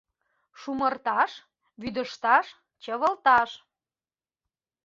Шумырташ — вӱдыжташ, чывылташ.